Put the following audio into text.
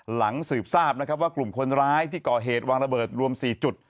หลังสืบทราบนะครับว่ากลุ่มคนร้ายที่ก่อเหตุวางระเบิดรวม๔จุด